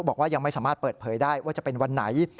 บอกว่ายังไม่สามารถเปิดเผยได้ว่าจะเป็นวันไหน